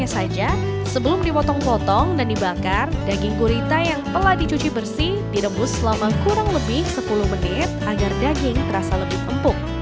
sebelum dibakar daging gurita yang telah dicuci bersih direbus selama kurang lebih sepuluh menit agar daging terasa lebih empuk